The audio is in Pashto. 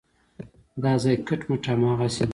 دا ځای کټ مټ هماغسې دی.